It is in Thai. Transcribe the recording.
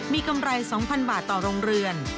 มีกำไร๒๐๐๐บาทต่อโรงเรือน